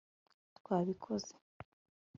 twabikoze